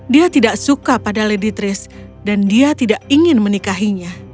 dia tidak suka pada lady tris dan dia tidak ingin menikahinya